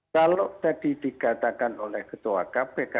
kalau tadi dikatakan oleh ketua kpk